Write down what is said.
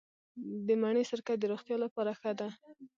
د مڼې سرکه د روغتیا لپاره ښه ده.